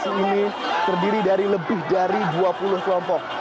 kasus ini terdiri dari lebih dari dua puluh kelompok